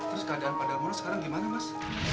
terus keadaan pada murah sekarang gimana mas